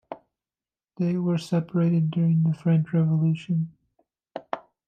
They were separated during the French Revolution.